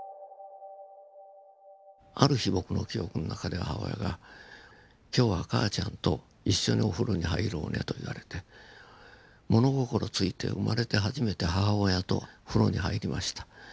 ある日僕の記憶の中で母親が「今日は母ちゃんと一緒にお風呂に入ろうね」と言われて物心付いて生まれて初めて母親と風呂に入りました。